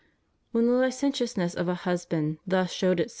' When the licentiousness of a husband thus showed itseK, » Matt.